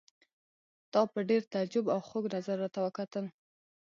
تا په ډېر تعجب او خوږ نظر راته وکتل.